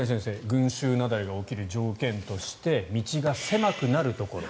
群衆雪崩が起きる条件として道が狭くなるところ。